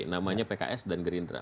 namanya pks dan gerindra